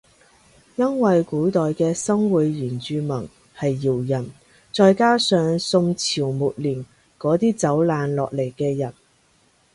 因為古代嘅新會原住民係瑤人再加上宋朝末年嗰啲走難落嚟嘅人